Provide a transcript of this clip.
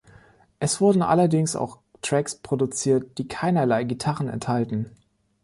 Es wurden allerdings auch Tracks produziert, die keinerlei Gitarren enthalten.